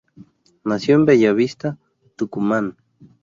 Nació en Bella Vista, Tucumán.